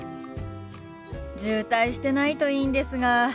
渋滞してないといいんですが。